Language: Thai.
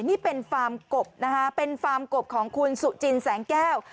นี่เป็นฟาร์มกบนะคะเป็นฟาร์มกบของคุณสุจินแสงแก้ว